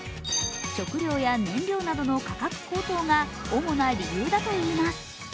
食料や燃料などの価格高騰が主な理由だといいます。